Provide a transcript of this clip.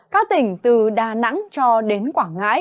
các tỉnh từ đà nẵng cho đến quảng ngãi